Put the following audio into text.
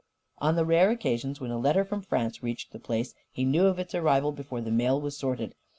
On the rare occasions when a letter from France reached the place, he knew of its arrival before the mail was sorted.